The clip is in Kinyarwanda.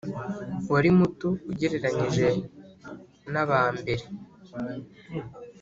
wari muto ugereranyije n’abambere